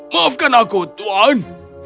maafkan aku tuan